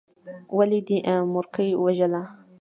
ولې دې مورکۍ ووژله.